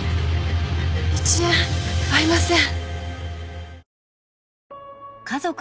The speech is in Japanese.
１円合いません。